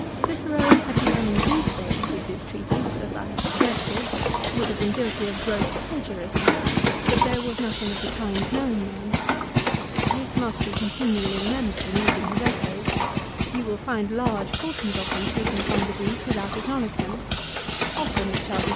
Cicero, had he done in these days with this treatise as I have suggested, would have been guilty of gross plagiarism, but there was nothing of the kind known then. This must be continually remembered in reading his essays. You will find large portions of them taken from the Greek without acknow ledgment. Often it shall be.